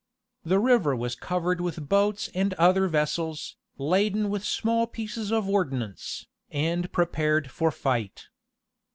The river was covered with boats and other vessels, laden with small pieces of ordnance, and prepared for fight.